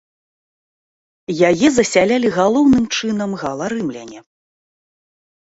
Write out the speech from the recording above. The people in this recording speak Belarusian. Яе засялялі галоўным чынам гала-рымляне.